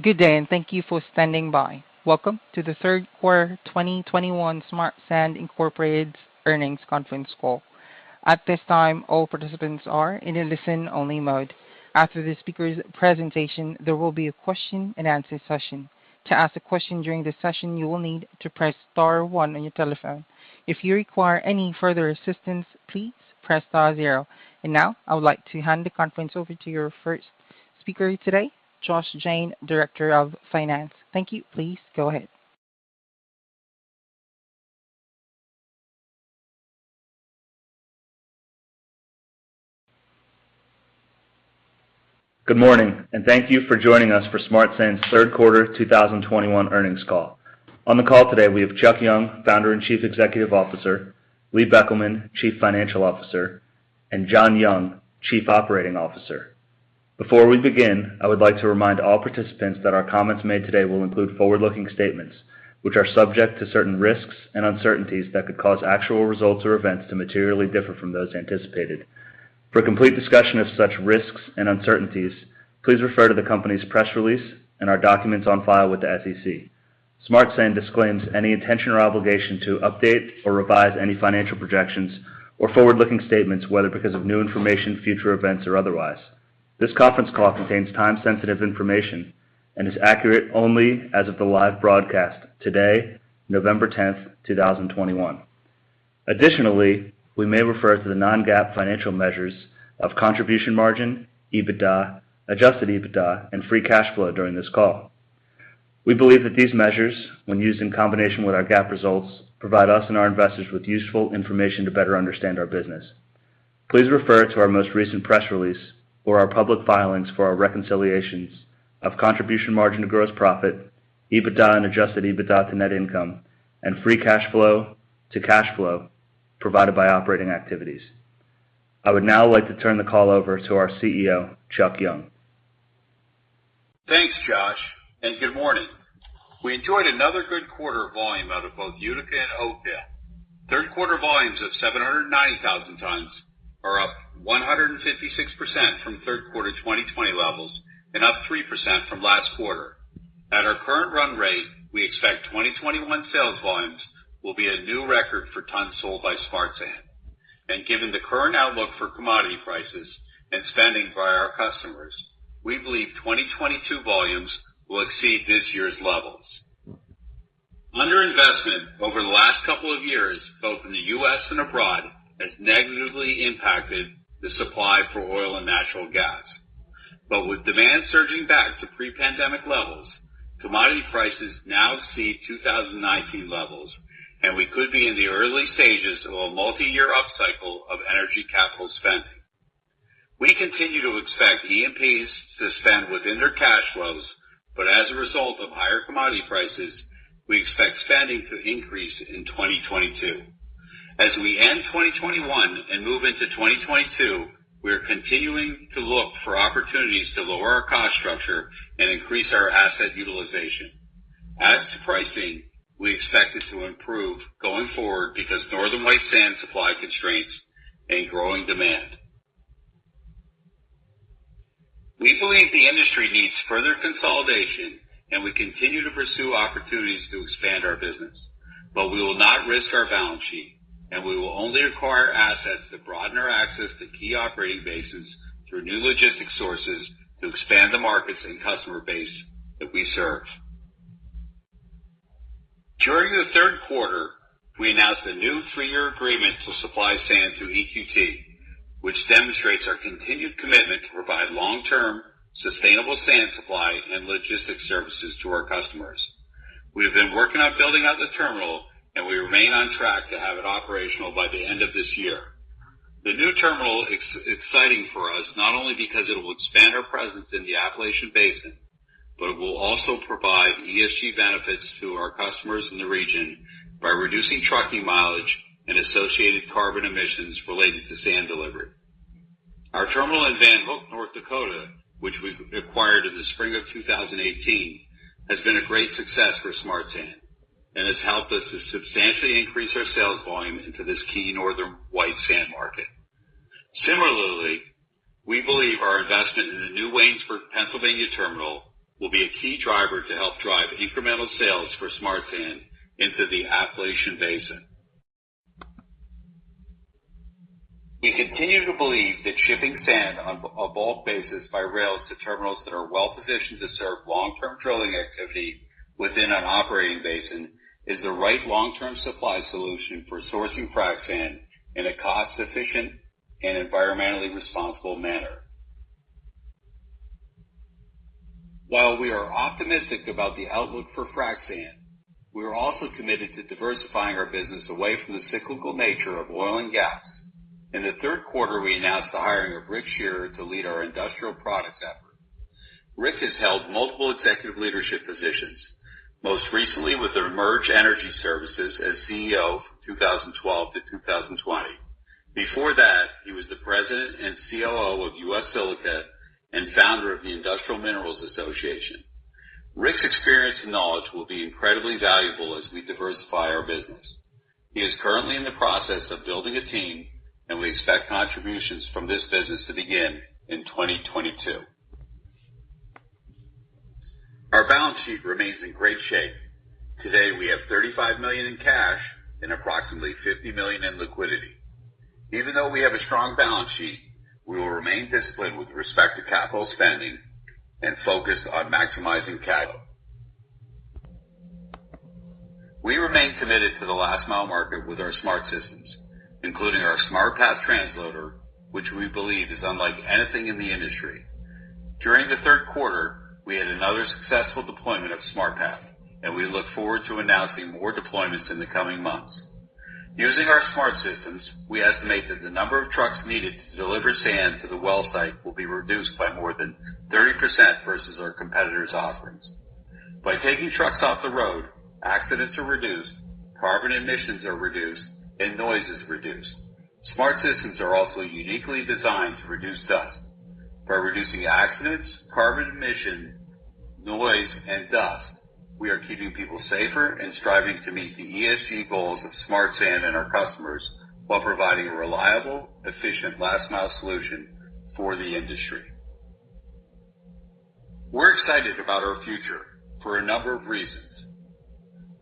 Good day, and thank you for standing by. Welcome to the third quarter 2021 Smart Sand, Incorporated earnings conference call. At this time, all participants are in a listen-only mode. After the speaker's presentation, there will be a question-and-answer session. To ask a question during this session, you will need to press star one on your telephone. If you require any further assistance, please press star zero. Now I would like to hand the conference over to your first speaker today, Josh Jayne, Director of Finance. Thank you. Please go ahead. Good morning, and thank you for joining us for Smart Sand's third quarter 2021 earnings call. On the call today, we have Chuck Young, Founder and Chief Executive Officer, Lee Beckelman, Chief Financial Officer, and John Young, Chief Operating Officer. Before we begin, I would like to remind all participants that our comments made today will include forward-looking statements, which are subject to certain risks and uncertainties that could cause actual results or events to materially differ from those anticipated. For a complete discussion of such risks and uncertainties, please refer to the company's press release and our documents on file with the SEC. Smart Sand disclaims any intention or obligation to update or revise any financial projections or forward-looking statements, whether because of new information, future events, or otherwise. This conference call contains time-sensitive information and is accurate only as of the live broadcast today, November 10th, 2021. Additionally, we may refer to the non-GAAP financial measures of contribution margin, EBITDA, adjusted EBITDA, and free cash flow during this call. We believe that these measures, when used in combination with our GAAP results, provide us and our investors with useful information to better understand our business. Please refer to our most recent press release or our public filings for our reconciliations of contribution margin to gross profit, EBITDA and adjusted EBITDA to net income, and free cash flow to cash flow provided by operating activities. I would now like to turn the call over to our CEO, Chuck Young. Thanks, Josh, and good morning. We enjoyed another good quarter volume out of both Utica and Oakdale. Third quarter volumes of 790,000 tons are up 156% from third quarter 2020 levels and up 3% from last quarter. At our current run rate, we expect 2021 sales volumes will be a new record for tons sold by Smart Sand. Given the current outlook for commodity prices and spending by our customers, we believe 2022 volumes will exceed this year's levels. Under investment over the last couple of years, both in the U.S. and abroad, has negatively impacted the supply for oil and natural gas. With demand surging back to pre-pandemic levels, commodity prices now see 2019 levels, and we could be in the early stages of a multi-year upcycle of energy capital spending. We continue to expect E&Ps to spend within their cash flows, but as a result of higher commodity prices, we expect spending to increase in 2022. As we end 2021 and move into 2022, we are continuing to look for opportunities to lower our cost structure and increase our asset utilization. As to pricing, we expect it to improve going forward because Northern White sand supply constraints and growing demand. We believe the industry needs further consolidation, and we continue to pursue opportunities to expand our business. We will not risk our balance sheet, and we will only acquire assets that broaden our access to key operating bases through new logistics sources to expand the markets and customer base that we serve. During the third quarter, we announced a new 3-year agreement to supply sand to EQT, which demonstrates our continued commitment to provide long-term, sustainable sand supply and logistics services to our customers. We have been working on building out the terminal, and we remain on track to have it operational by the end of this year. The new terminal is exciting for us not only because it will expand our presence in the Appalachian Basin, but it will also provide ESG benefits to our customers in the region by reducing trucking mileage and associated carbon emissions related to sand delivery. Our terminal in Van Hook, North Dakota, which we acquired in the spring of 2018, has been a great success for Smart Sand and has helped us to substantially increase our sales volume into this key Northern White sand market. Similarly, we believe our investment in the new Waynesburg, Pennsylvania terminal will be a key driver to help drive incremental sales for Smart Sand into the Appalachian Basin. We continue to believe that shipping sand on bulk basis by rail to terminals that are well-positioned to serve long-term drilling activity within an operating basin is the right long-term supply solution for sourcing frac sand in a cost-efficient and environmentally responsible manner. While we are optimistic about the outlook for frac sand, we are also committed to diversifying our business away from the cyclical nature of oil and gas. In the third quarter, we announced the hiring of Rick Shearer to lead our industrial products effort. Rick has held multiple executive leadership positions, most recently with Emerge Energy Services as CEO from 2012 to 2020. Before that, he was the President and COO of U.S. Silica and founder of the Industrial Minerals Association - North America. Rick's experience and knowledge will be incredibly valuable as we diversify our business. He is currently in the process of building a team, and we expect contributions from this business to begin in 2022. Our balance sheet remains in great shape. Today, we have $35 million in cash and approximately $50 million in liquidity. Even though we have a strong balance sheet, we will remain disciplined with respect to capital spending and focus on maximizing cash flow. We remain committed to the last mile market with our SmartSystems, including our SmartPath transloader, which we believe is unlike anything in the industry. During the third quarter, we had another successful deployment of SmartPath, and we look forward to announcing more deployments in the coming months. Using our SmartSystems, we estimate that the number of trucks needed to deliver sand to the well site will be reduced by more than 30% versus our competitors' offerings. By taking trucks off the road, accidents are reduced, carbon emissions are reduced, and noise is reduced. SmartSystems are also uniquely designed to reduce dust. By reducing accidents, carbon emission, noise, and dust, we are keeping people safer and striving to meet the ESG goals of Smart Sand and our customers while providing a reliable, efficient last mile solution for the industry. We're excited about our future for a number of reasons.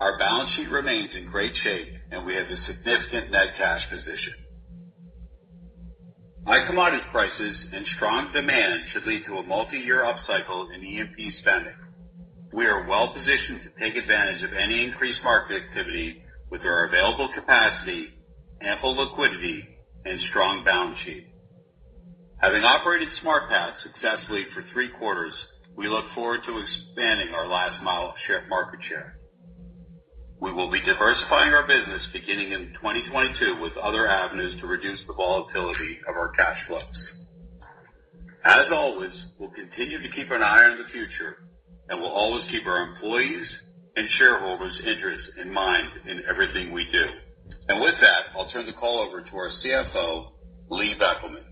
Our balance sheet remains in great shape, and we have a significant net cash position. High commodity prices and strong demand should lead to a multi-year upcycle in E&P spending. We are well-positioned to take advantage of any increased market activity with our available capacity, ample liquidity, and strong balance sheet. Having operated SmartPath successfully for three quarters, we look forward to expanding our last-mile shipping market share. We will be diversifying our business beginning in 2022 with other avenues to reduce the volatility of our cash flow. As always, we'll continue to keep an eye on the future, and we'll always keep our employees' and shareholders' interests in mind in everything we do. With that, I'll turn the call over to our CFO, Lee Beckelman.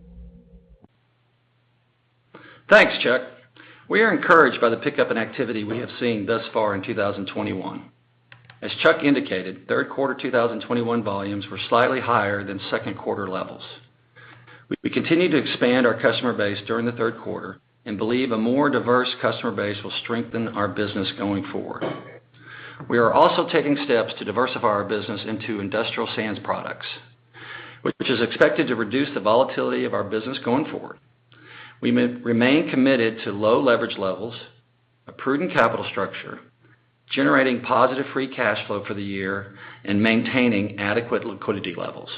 Thanks, Chuck. We are encouraged by the pickup in activity we have seen thus far in 2021. As Chuck indicated, third quarter 2021 volumes were slightly higher than second quarter levels. We continued to expand our customer base during the third quarter and believe a more diverse customer base will strengthen our business going forward. We are also taking steps to diversify our business into industrial products, which is expected to reduce the volatility of our business going forward. We remain committed to low leverage levels, a prudent capital structure, generating positive free cash flow for the year, and maintaining adequate liquidity levels.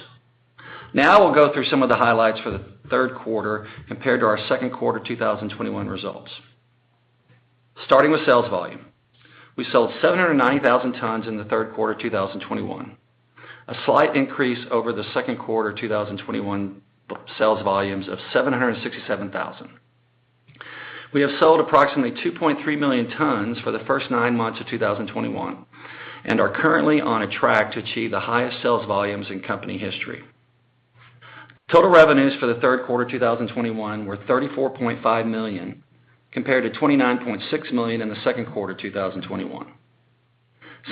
Now, we'll go through some of the highlights for the third quarter compared to our second quarter 2021 results. Starting with sales volume. We sold 790,000 tons in the third quarter of 2021, a slight increase over the second quarter 2021 sales volumes of 767,000. We have sold approximately 2.3 million tons for the first nine months of 2021 and are currently on a track to achieve the highest sales volumes in company history. Total revenues for the third quarter 2021 were $34.5 million, compared to $29.6 million in the second quarter 2021.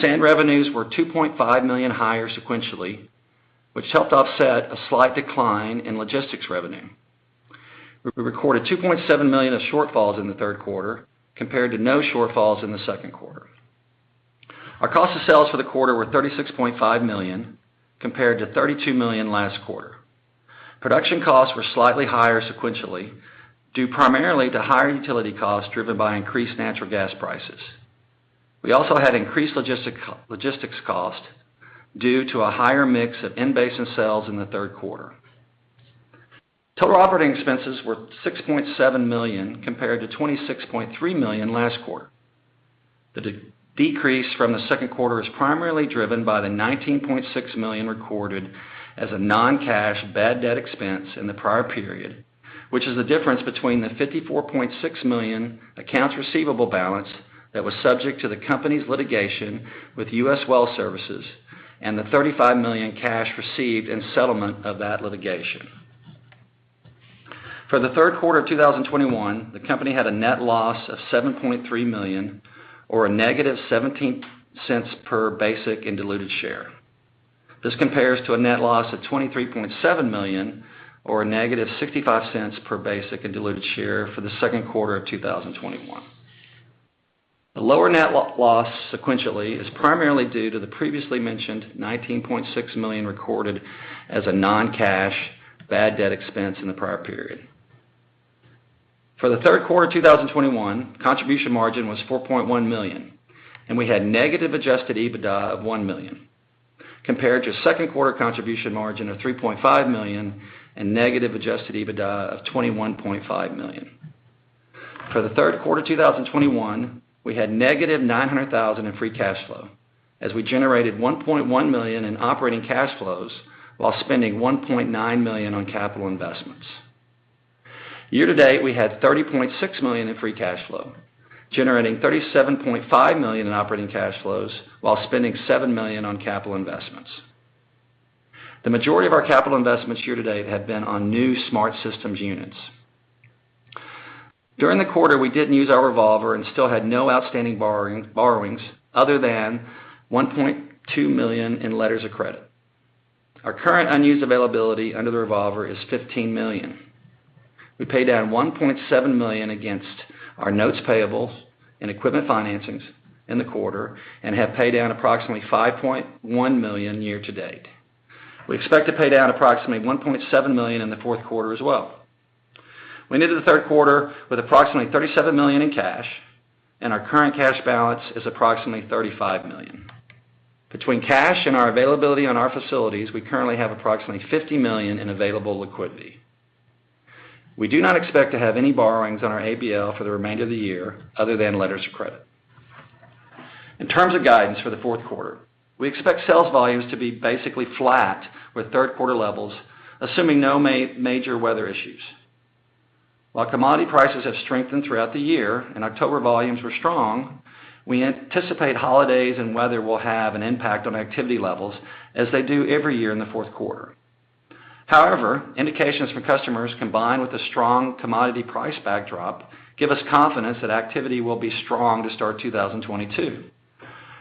Sand revenues were $2.5 million higher sequentially, which helped offset a slight decline in logistics revenue. We recorded $2.7 million of shortfalls in the third quarter compared to no shortfalls in the second quarter. Our cost of sales for the quarter were $36.5 million compared to $32 million last quarter. Production costs were slightly higher sequentially, due primarily to higher utility costs driven by increased natural gas prices. We also had increased logistics costs due to a higher mix of in-basin sales in the third quarter. Total operating expenses were $6.7 million compared to $26.3 million last quarter. The decrease from the second quarter is primarily driven by the $19.6 million recorded as a non-cash bad debt expense in the prior period, which is the difference between the $54.6 million accounts receivable balance that was subject to the company's litigation with U.S. Well Services and the $35 million cash received in settlement of that litigation. For the third quarter of 2021, the company had a net loss of $7.3 million or a negative $0.17 per basic and diluted share. This compares to a net loss of $23.7 million or -$0.65 per basic and diluted share for the second quarter of 2021. The lower net loss sequentially is primarily due to the previously mentioned $19.6 million recorded as a non-cash bad debt expense in the prior period. For the third quarter of 2021, contribution margin was $4.1 million, and we had negative adjusted EBITDA of $1 million, compared to second quarter contribution margin of $3.5 million and negative adjusted EBITDA of $21.5 million. For the third quarter of 2021, we had -$900,000 in free cash flow as we generated $1.1 million in operating cash flows while spending $1.9 million on capital investments. Year to date, we had $30.6 million in free cash flow, generating $37.5 million in operating cash flows while spending $7 million on capital investments. The majority of our capital investments year to date have been on new SmartSystems units. During the quarter, we didn't use our revolver and still had no outstanding borrowings other than $1.2 million in letters of credit. Our current unused availability under the revolver is $15 million. We paid down $1.7 million against our notes payables and equipment financings in the quarter and have paid down approximately $5.1 million year-to-date. We expect to pay down approximately $1.7 million in the fourth quarter as well. We ended the third quarter with approximately $37 million in cash, and our current cash balance is approximately $35 million. Between cash and our availability on our facilities, we currently have approximately $50 million in available liquidity. We do not expect to have any borrowings on our ABL for the remainder of the year other than letters of credit. In terms of guidance for the fourth quarter, we expect sales volumes to be basically flat with third quarter levels, assuming no major weather issues. While commodity prices have strengthened throughout the year and October volumes were strong, we anticipate holidays and weather will have an impact on activity levels as they do every year in the fourth quarter. However, indications from customers combined with the strong commodity price backdrop give us confidence that activity will be strong to start 2022.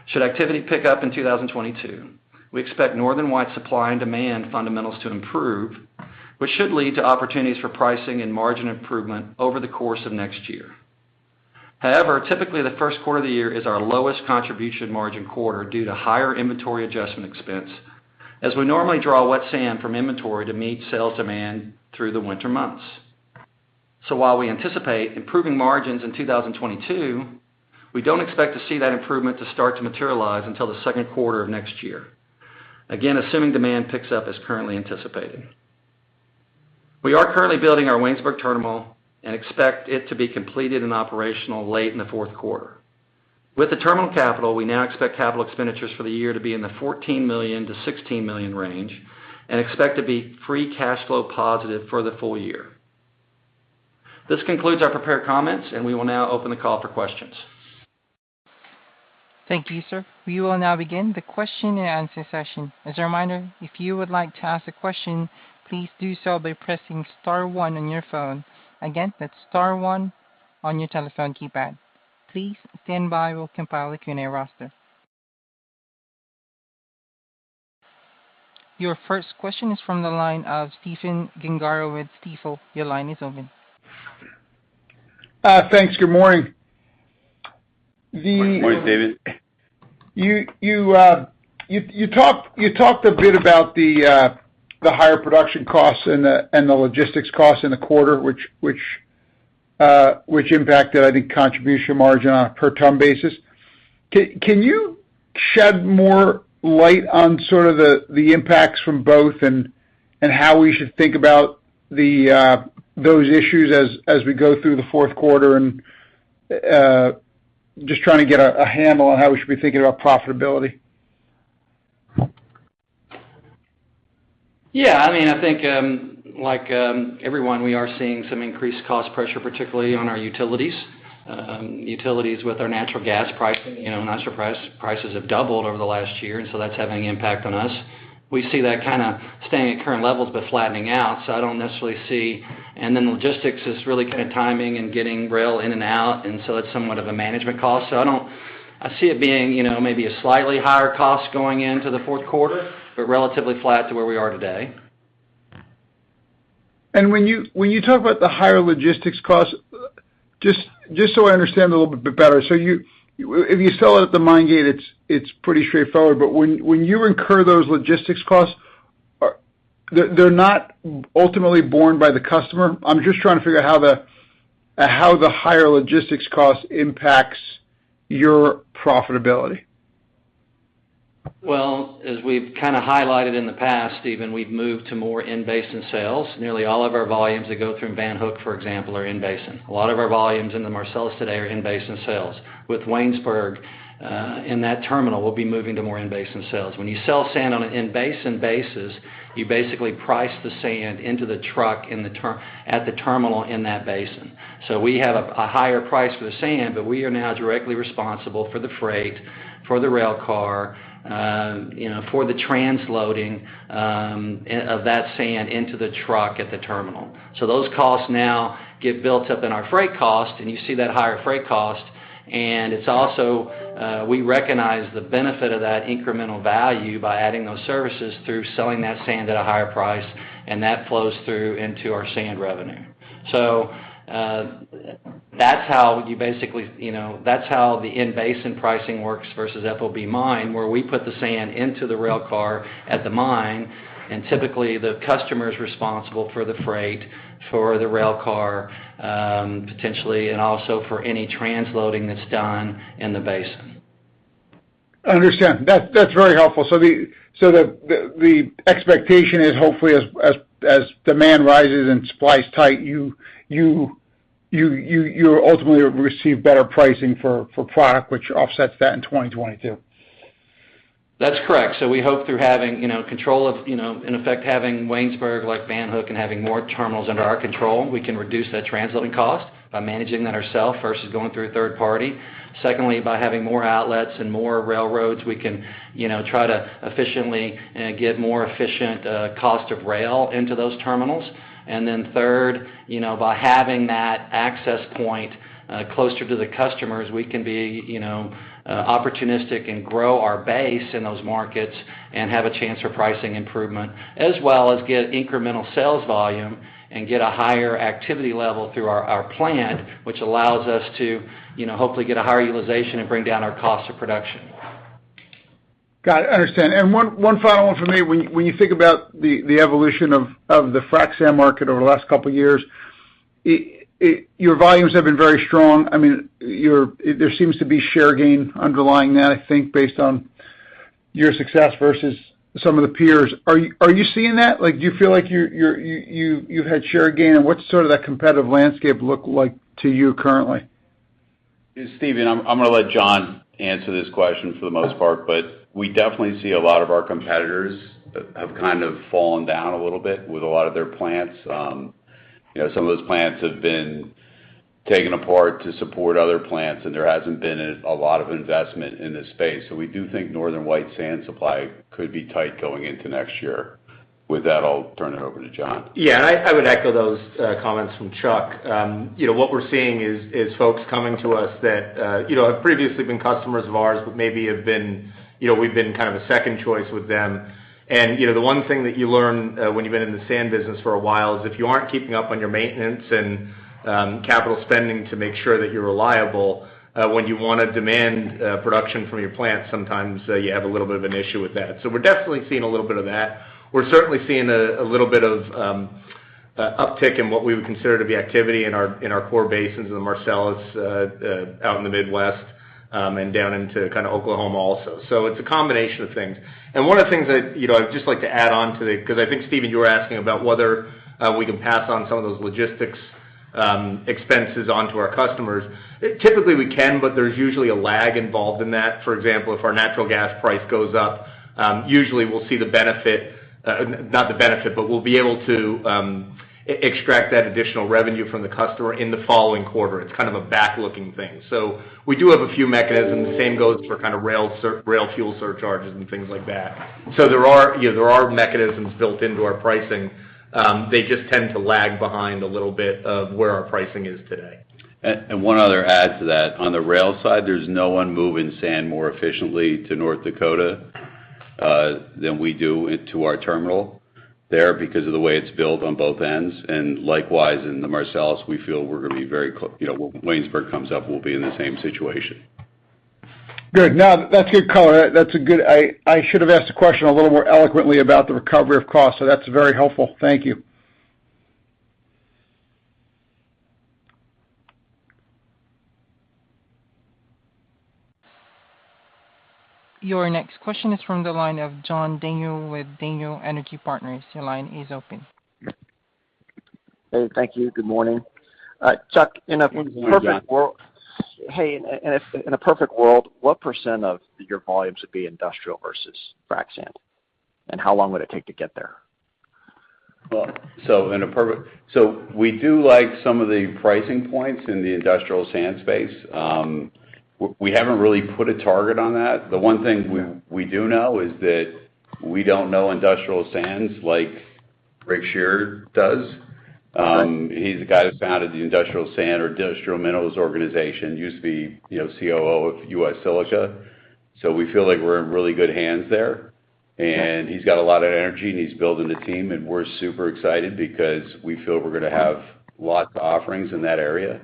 Should activity pick up in 2022, we expect Northern White sand supply and demand fundamentals to improve, which should lead to opportunities for pricing and margin improvement over the course of next year. However, typically, the first quarter of the year is our lowest contribution margin quarter due to higher inventory adjustment expense as we normally draw wet sand from inventory to meet sales demand through the winter months. While we anticipate improving margins in 2022, we don't expect to see that improvement to start to materialize until the second quarter of next year, again, assuming demand picks up as currently anticipated. We are currently building our Waynesburg terminal and expect it to be completed and operational late in the fourth quarter. With the terminal capital, we now expect capital expenditures for the year to be in the $14 million-$16 million range and expect to be free cash flow positive for the full year. This concludes our prepared comments, and we will now open the call for questions. Thank you, sir. We will now begin the question and answer session. As a reminder, if you would like to ask a question, please do so by pressing star one on your phone. Again, that's star one on your telephone keypad. Please stand by. We'll compile the Q&A roster. Your first question is from the line of Stephen Gengaro with Stifel. Your line is open. Thanks. Good morning. Morning, Stephen. You talked a bit about the higher production costs and the logistics costs in the quarter, which impacted, I think, contribution margin on a per ton basis. Can you shed more light on sort of the impacts from both and how we should think about those issues as we go through the fourth quarter? Just trying to get a handle on how we should be thinking about profitability. Yeah. I mean, I think, like, everyone, we are seeing some increased cost pressure, particularly on our utilities. Utilities with our natural gas pricing, you know, not surprised prices have doubled over the last year, and so that's having an impact on us. We see that kinda staying at current levels, but flattening out, so I don't necessarily see. Logistics is really kinda timing and getting rail in and out, and so it's somewhat of a management cost. I see it being, you know, maybe a slightly higher cost going into the fourth quarter, but relatively flat to where we are today. When you talk about the higher logistics costs, just so I understand a little bit better, if you sell it at the mine gate, it's pretty straightforward. When you incur those logistics costs, are they not ultimately borne by the customer? I'm just trying to figure out how the higher logistics cost impacts your profitability. Well, as we've kinda highlighted in the past, Stephen, we've moved to more in-basin sales. Nearly all of our volumes that go through Van Hook, for example, are in-basin. A lot of our volumes in the Marcellus today are in-basin sales. With Waynesburg in that terminal, we'll be moving to more in-basin sales. When you sell sand on an in-basin basis, you basically price the sand into the truck at the terminal in that basin. We have a higher price for the sand, but we are now directly responsible for the freight, for the rail car, you know, for the transloading of that sand into the truck at the terminal. Those costs now get built up in our freight cost, and you see that higher freight cost. It's also, we recognize the benefit of that incremental value by adding those services through selling that sand at a higher price, and that flows through into our sand revenue. That's how you basically, you know, that's how the in-basin pricing works versus FOB mine, where we put the sand into the rail car at the mine, and typically the customer is responsible for the freight, for the rail car, potentially, and also for any transloading that's done in the basin. Understand. That's very helpful. The expectation is hopefully as demand rises and supply is tight, you ultimately receive better pricing for product which offsets that in 2022. That's correct. We hope through having, you know, control of, you know, in effect, having Waynesburg like Van Hook and having more terminals under our control, we can reduce that transloading cost by managing that ourselves versus going through a third party. Secondly, by having more outlets and more railroads, we can, you know, try to efficiently get more efficient cost of rail into those terminals. Third, you know, by having that access point closer to the customers, we can be, you know, opportunistic and grow our base in those markets and have a chance for pricing improvement, as well as get incremental sales volume and get a higher activity level through our plant, which allows us to, you know, hopefully get a higher utilization and bring down our cost of production. Got it. Understand. One final one for me. When you think about the evolution of the frac sand market over the last couple years, your volumes have been very strong. I mean, there seems to be share gain underlying that, I think, based on your success versus some of the peers. Are you seeing that? Like, do you feel like you've had share gain? What's sort of that competitive landscape look like to you currently? Hey Stephen. I'm gonna let John answer this question for the most part, but we definitely see a lot of our competitors have kind of fallen down a little bit with a lot of their plants. You know, some of those plants have been taken apart to support other plants, and there hasn't been a lot of investment in this space. We do think Northern White sand supply could be tight going into next year. With that, I'll turn it over to John. Yeah. I would echo those comments from Chuck. You know, what we're seeing is folks coming to us that you know have previously been customers of ours but maybe have been, you know, we've been kind of a second choice with them. You know, the one thing that you learn when you've been in the sand business for a while is if you aren't keeping up on your maintenance and capital spending to make sure that you're reliable when you wanna demand production from your plant, sometimes you have a little bit of an issue with that. We're definitely seeing a little bit of that. We're certainly seeing a little bit of a uptick in what we would consider to be activity in our core basins in the Marcellus, out in the Midwest, and down into kind of Oklahoma also. It's a combination of things. One of the things that, you know, I'd just like to add on to the, 'cause I think, Stephen, you were asking about whether we can pass on some of those logistics expenses on to our customers. Typically, we can, but there's usually a lag involved in that. For example, if our natural gas price goes up, usually we'll see the benefit. Not the benefit, but we'll be able to extract that additional revenue from the customer in the following quarter. It's kind of a back-looking thing. We do have a few mechanisms. The same goes for kind of rail fuel surcharges and things like that. There are, you know, mechanisms built into our pricing, they just tend to lag behind a little bit of where our pricing is today. One other add to that. On the rail side, there's no one moving sand more efficiently to North Dakota than we do into our terminal there because of the way it's built on both ends. Likewise, in the Marcellus, we feel we're gonna be very, you know, when Waynesburg terminal comes up, we'll be in the same situation. Good. Now, that's good color. That's a good. I should have asked the question a little more eloquently about the recovery of cost, so that's very helpful. Thank you. Your next question is from the line of John Daniel with Daniel Energy Partners. Your line is open. Hey, thank you. Good morning. Chuck, in a perfect world- Good morning, John. Hey, in a perfect world, what % of your volumes would be industrial versus frac sand? How long would it take to get there? We do like some of the pricing points in the industrial sand space. We haven't really put a target on that. The one thing we do know is that we don't know industrial sands like Rick Shearer does. Right. He's the guy who founded the Industrial Minerals Association, used to be, you know, COO of U.S. Silica. We feel like we're in really good hands there. Okay. He's got a lot of energy, and he's building a team, and we're super excited because we feel we're gonna have lots of offerings in that area.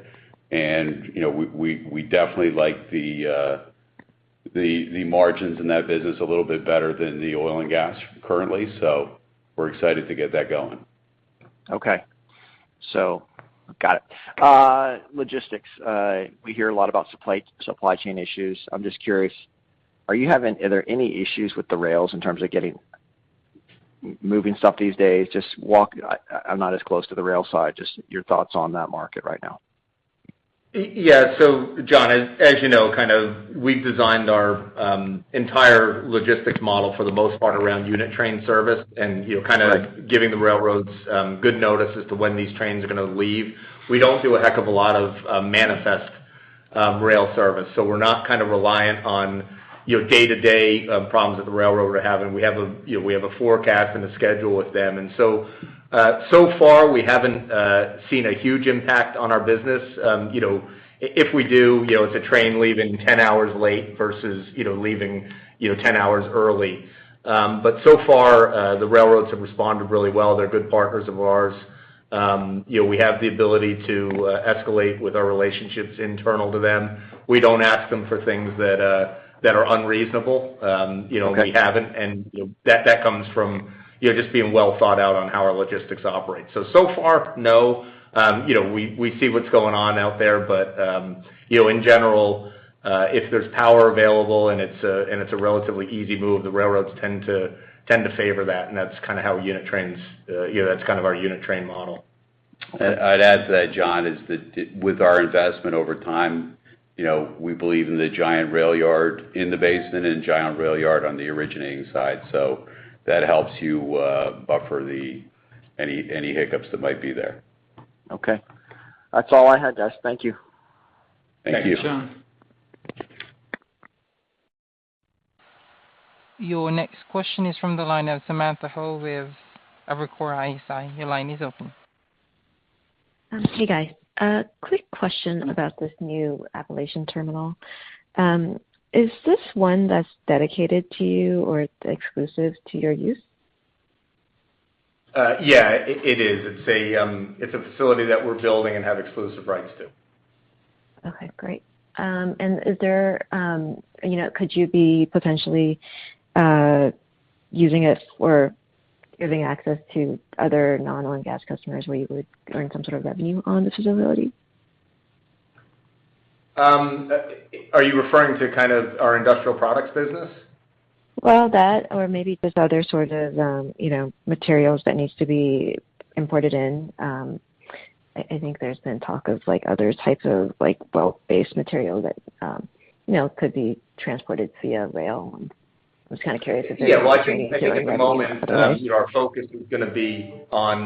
You know, we definitely like the margins in that business a little bit better than the oil and gas currently. We're excited to get that going. Okay. Got it. Logistics. We hear a lot about supply chain issues. I'm just curious, are there any issues with the rails in terms of moving stuff these days? I'm not as close to the rail side, just your thoughts on that market right now. Yeah. John, as you know, kind of we've designed our entire logistics model for the most part around unit train service and, you know, kinda- Right... giving the railroads good notice as to when these trains are gonna leave. We don't do a heck of a lot of manifest rail service, so we're not kind of reliant on, you know, day-to-day problems that the railroad are having. We have a forecast and a schedule with them. So far we haven't seen a huge impact on our business. You know, if we do, you know, it's a train leaving 10 hours late versus, you know, leaving, you know, 10 hours early. So far, the railroads have responded really well. They're good partners of ours. You know, we have the ability to escalate with our relationships internal to them. We don't ask them for things that are unreasonable. You know, we haven't. Okay. You know, that comes from just being well thought out on how our logistics operate. So far, no. You know, we see what's going on out there, but you know, in general, if there's power available and it's a relatively easy move, the railroads tend to favor that, and that's kind of our unit train model. I'd add to that, John, is that with our investment over time, you know, we believe in the giant rail yard in the basin and giant rail yard on the originating side. That helps you buffer any hiccups that might be there. Okay. That's all I had, guys. Thank you. Thank you. Thanks, John. Your next question is from the line of Samantha Hoh with Evercore ISI. Your line is open. Hey, guys. A quick question about this new Appalachian terminal. Is this one that's dedicated to you or it's exclusive to your use? Yeah. It is. It's a facility that we're building and have exclusive rights to. Okay, great. Is there, you know, could you be potentially using it or giving access to other non-oil and gas customers where you would earn some sort of revenue on this facility? Are you referring to kind of our industrial products business? Well, that or maybe just other sorts of, you know, materials that needs to be imported in. I think there's been talk of like other types of like bulk-based material that, you know, could be transported via rail. I was kinda curious if there's any- Yeah. Well, I think at the moment, you know, our focus is gonna be on,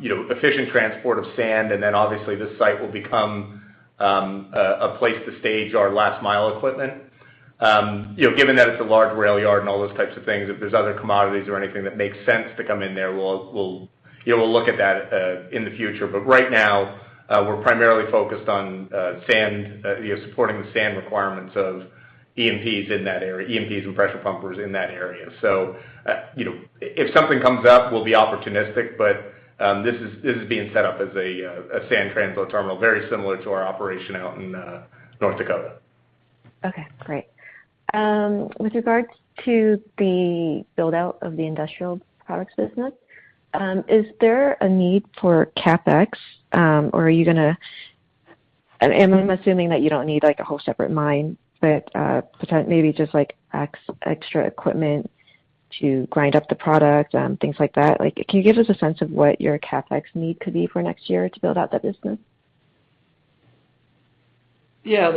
you know, efficient transport of sand, and then obviously this site will become a place to stage our last mile equipment. You know, given that it's a large rail yard and all those types of things, if there's other commodities or anything that makes sense to come in there, we'll look at that in the future. Right now, we're primarily focused on sand, you know, supporting the sand requirements of E&Ps in that area, E&Ps and pressure pumpers in that area. You know, if something comes up, we'll be opportunistic, but this is being set up as a sand transload terminal, very similar to our operation out in North Dakota. Okay, great. With regards to the build-out of the industrial products business, is there a need for CapEx, or are you gonna? I'm assuming that you don't need like a whole separate mine, but maybe just like extra equipment to grind up the product, things like that. Like, can you give us a sense of what your CapEx need could be for next year to build out that business? Yeah.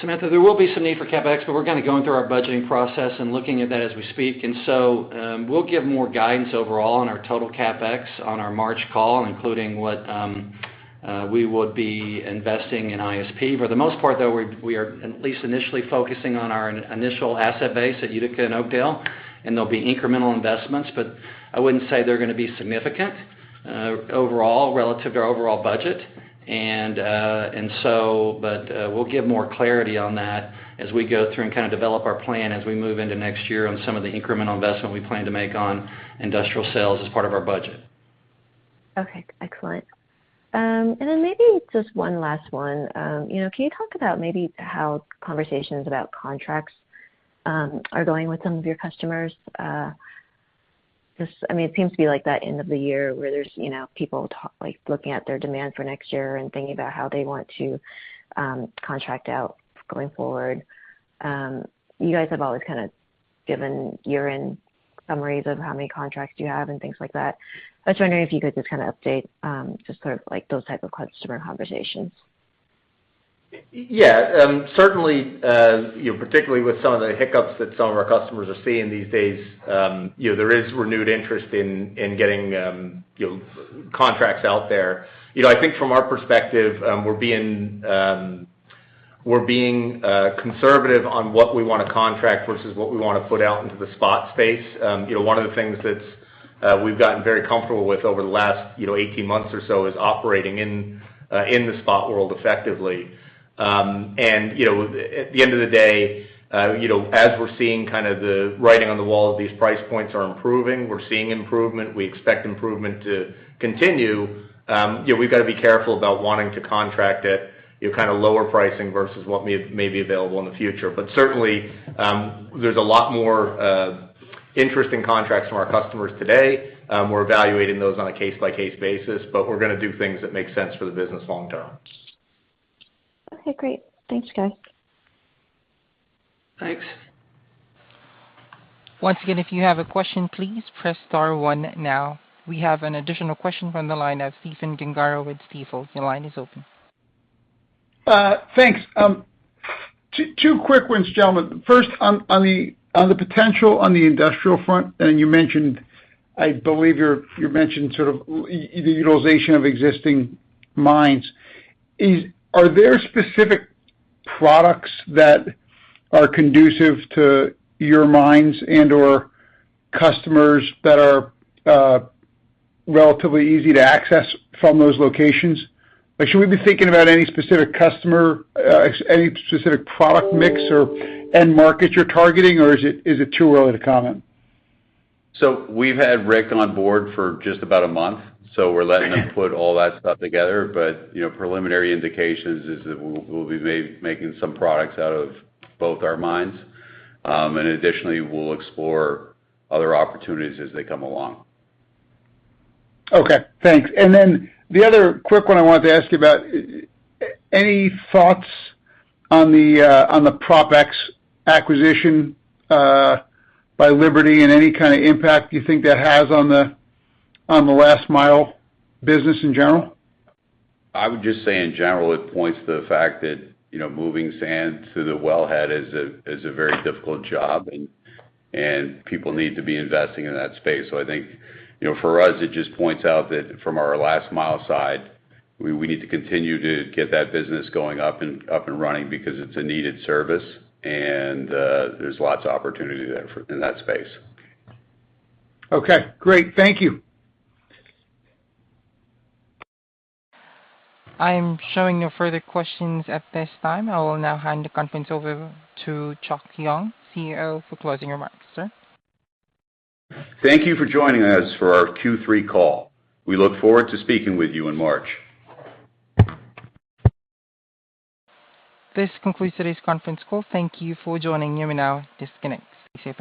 Samantha, there will be some need for CapEx, but we're kinda going through our budgeting process and looking at that as we speak. We'll give more guidance overall on our total CapEx on our March call, including what we would be investing in ISP. For the most part, though, we are at least initially focusing on our initial asset base at Utica and Oakdale, and there'll be incremental investments, but I wouldn't say they're gonna be significant overall relative to our overall budget. We'll give more clarity on that as we go through and kinda develop our plan as we move into next year on some of the incremental investment we plan to make on industrial sales as part of our budget. Okay, excellent. Maybe just one last one. You know, can you talk about maybe how conversations about contracts are going with some of your customers? Just, I mean, it seems to be like that end of the year where there's, you know, people like looking at their demand for next year and thinking about how they want to contract out going forward. You guys have always kinda given year-end summaries of how many contracts you have and things like that. I was wondering if you could just kinda update just sort of like those type of customer conversations. Yeah. Certainly, you know, particularly with some of the hiccups that some of our customers are seeing these days, you know, there is renewed interest in getting, you know, contracts out there. You know, I think from our perspective, we're being conservative on what we wanna contract versus what we wanna put out into the spot space. You know, one of the things that we've gotten very comfortable with over the last, you know, 18 months or so is operating in the spot world effectively. You know, at the end of the day, you know, as we're seeing kind of the writing on the wall that these price points are improving, we're seeing improvement, we expect improvement to continue, you know, we've gotta be careful about wanting to contract at, you know, kinda lower pricing versus what may be available in the future. Certainly, there's a lot more interesting contracts from our customers today. We're evaluating those on a case-by-case basis, but we're gonna do things that make sense for the business long term. Okay, great. Thanks, guys. Thanks. Once again, if you have a question, please press star one now. We have an additional question from the line. That's Stephen Gengaro with Stifel. Your line is open. Thanks. Two quick ones, gentlemen. First, on the potential on the industrial front, and you mentioned, I believe you mentioned sort of utilization of existing mines. Are there specific products that are conducive to your mines and/or customers that are relatively easy to access from those locations? Like, should we be thinking about any specific customer, any specific product mix or end markets you're targeting, or is it too early to comment? We've had Rick on board for just about a month, so we're letting him put all that stuff together. You know, preliminary indications is that we'll be making some products out of both our mines. Additionally, we'll explore other opportunities as they come along. Okay, thanks. The other quick one I wanted to ask you about, any thoughts on the PropX acquisition by Liberty and any kinda impact you think that has on the last mile business in general? I would just say in general, it points to the fact that, you know, moving sand to the wellhead is a very difficult job, and people need to be investing in that space. I think, you know, for us, it just points out that from our last mile side, we need to continue to get that business going up and running because it's a needed service, and there's lots of opportunity there in that space. Okay, great. Thank you. I am showing no further questions at this time. I will now hand the conference over to Chuck Young, CEO, for closing remarks. Sir? Thank you for joining us for our Q3 call. We look forward to speaking with you in March. This concludes today's conference call. Thank you for joining. You may now disconnect. This is